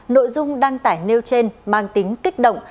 nội dung đăng tải nêu trên mang tính kích động